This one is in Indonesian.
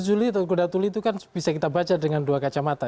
dua puluh tujuh juli kudatuli itu kan bisa kita baca dengan dua kacamata